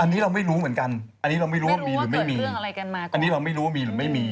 อันนี้เราไม่รู้เหมือนกันอันนี้เราไม่รู้ว่ามีหรือไม่มีเรื่องอะไรกันมาอันนี้เราไม่รู้ว่ามีหรือไม่มี